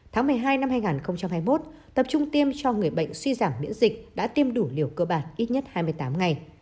tháng một mươi hai năm hai nghìn hai mươi một tập trung tiêm cho người bệnh suy giảm miễn dịch đã tiêm đủ liều cơ bản ít nhất hai mươi tám ngày